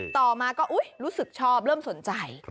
ต่อมาก็รู้สึกชอบเริ่มสนใจ